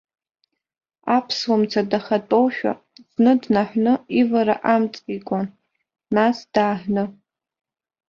Аԥсуамца дахатәоушәа зны днаҳәны ивара амҵеикуан, нас дааҳәны.